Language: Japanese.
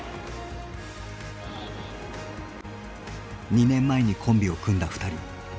２年前にコンビを組んだ２人。